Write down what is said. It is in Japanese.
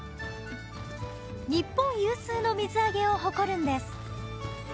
日本有数の水揚げを誇るんです。